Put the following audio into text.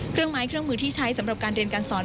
ไม้เครื่องมือที่ใช้สำหรับการเรียนการสอน